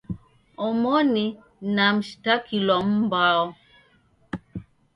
Omoni na mshitakilwa mbao